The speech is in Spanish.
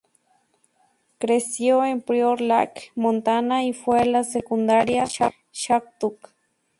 Creció en Prior Lake, Montana y fue a la Secundaria Shattuck-St.